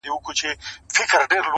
زه به منګی په لپو ورو ورو ډکومه!!